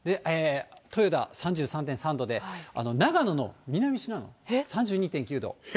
豊田３３．３度で、長野の南信濃３２．９度。